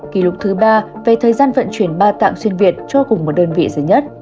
kỷ lục thứ ba về thời gian vận chuyển ba tạng xuyên việt cho cùng một đơn vị duy nhất